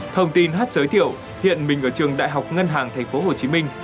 thông tin hát giới thiệu hiện mình ở trường đại học ngân hàng tp hcm